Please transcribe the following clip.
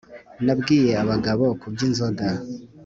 Nabwiye abagabo kubyi nzoga